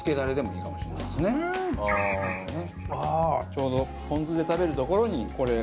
ちょうどポン酢で食べるところにこれ。